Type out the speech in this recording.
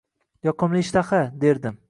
- «Yoqimli ishtaxa» derdim